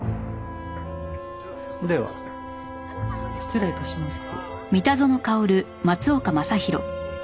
では失礼致します。